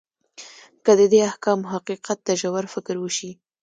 که د دې احکامو حقیقت ته ژور فکر وشي.